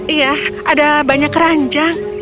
iya ada banyak keranjang